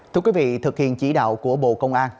thưa quý vị thực hiện chỉ đạo của bộ công an